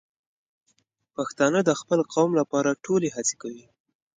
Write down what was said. پښتانه د خپل قوم لپاره ټولې هڅې کوي.